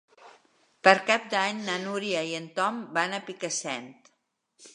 Per Cap d'Any na Núria i en Tom van a Picassent.